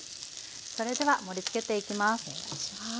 それでは盛りつけていきます。